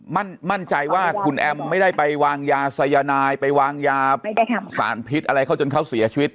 มั่นใจว่าคุณแอมไม่ได้ไปวางยาสายนายไปวางยาสารพิษอะไรเขาจนเขาเสียชีวิต